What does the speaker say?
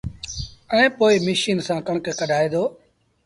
ائيٚݩ پو ميشن سآݩ ڪڻڪ ڪڍآئي دو